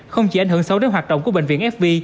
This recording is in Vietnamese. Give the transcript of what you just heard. không chỉ ảnh hưởng xấu đến hoạt động của bệnh viện fb